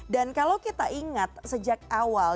dan kalau kita ingat sejak awal